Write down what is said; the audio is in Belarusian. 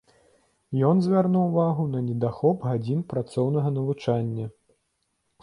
Ён звярнуў увагу на недахоп гадзін працоўнага навучання.